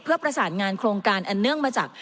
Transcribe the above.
เพื่อประสานงานโครงการอันเนื่องมาจาก